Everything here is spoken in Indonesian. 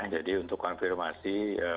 jadi untuk konfirmasi